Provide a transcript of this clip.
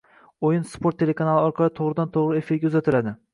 Oʻyin “Sport” telekanali orqali toʻgʻridan-toʻgʻri efirga uzatiladi.